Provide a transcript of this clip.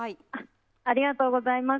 ありがとうございます。